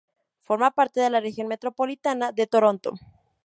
Forma parte de la Región Metropolitana de Toronto.